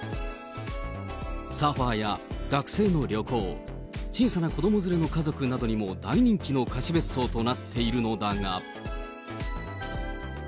サーファーや学生の旅行、小さな子ども連れの家族にも大人気の貸別荘となっているのだが。